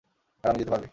আরামে যেতে পারবি।